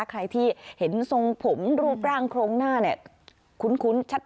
ใครที่เห็นทรงผมรูปร่างโครงหน้าเนี่ยคุ้นชัด